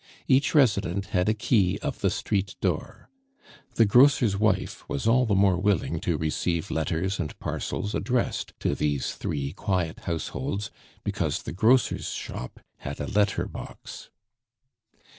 Each resident had a key of the street door. The grocer's wife was all the more willing to receive letters and parcels addressed to these three quiet households, because the grocer's shop had a letter box.